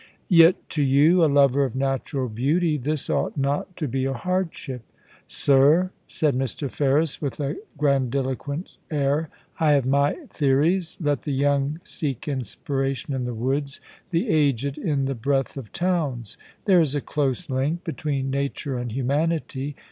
* Yet to you, a lover of natural beauty, this ought not to be a hardship.' * Sir,' said Mr. Ferris, with a grandiloquent air, * I have my theories. Let the young seek inspiration in the woods, the aged in the breath of towns. There is a close link between nature and humanity.